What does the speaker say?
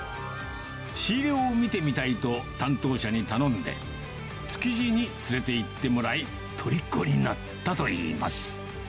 仕入れを見てみたいと、担当者に頼んで、築地に連れていってもらい、とりこになったといいます。